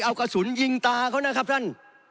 เอากระสุนยิงตาเขานะครับท่าน